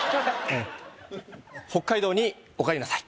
北海道にお帰りなさい